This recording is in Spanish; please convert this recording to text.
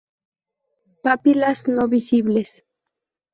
Papilas no visibles.